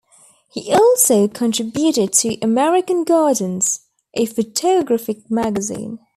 He also contributed to "American Gardens", a photographic magazine.